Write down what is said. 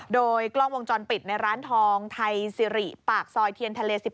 โดยกล้องวงจรปิดในร้านทองไทยสิริปากซอยเทียนทะเล๑๑